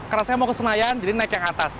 karena saya mau ke senayan jadi naik yang atas